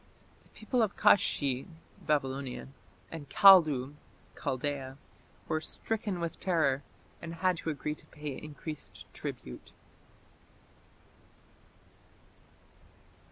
The people of Kashshi (Babylonia) and Kaldu (Chaldaea) were "stricken with terror", and had to agree to pay increased tribute.